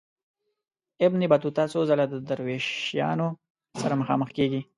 ابن بطوطه څو ځله د دروېشانو سره مخامخ کیږي.